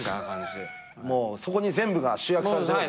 もうそこに全部が集約されてるんだ。